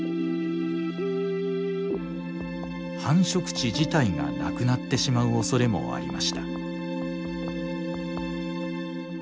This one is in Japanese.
繁殖地自体がなくなってしまうおそれもありました。